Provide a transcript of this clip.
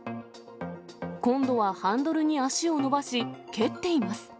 今度はハンドルに足を伸ばし、蹴っています。